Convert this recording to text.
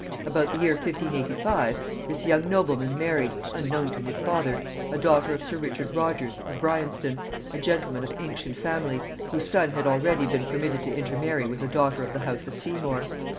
About the year 1585, this young nobleman married, unknown to his father, a daughter of sir Richard Rogers, of Brianston, a gentleman of ancient family, whose son had already been permitted to intermarry with a daughter of the house of Seymour.